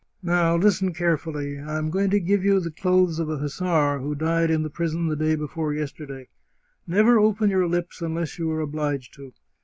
Now, listen carefully. I am going to give you the clothes of a hussar who died in the prison the day before yesterday. Never open your lips unless you are obliged to.